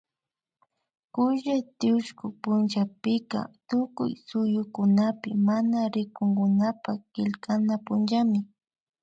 Kulla tiushku punllapika Tukuy suyukunapi mana rikunkunapak killkana punllami